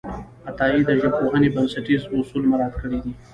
عطایي د ژبپوهنې بنسټیز اصول مراعت کړي دي.